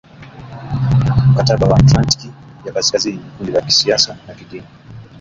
mkataba wa atlantiki ya kaskazini ni kundi la kisiasa na kidini